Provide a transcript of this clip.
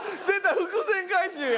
伏線回収や。